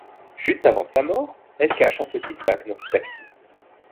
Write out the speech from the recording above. Juste avant sa mort, elle cache un petit sac dans ce taxi.